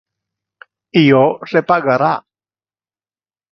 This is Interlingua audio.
Io repagara.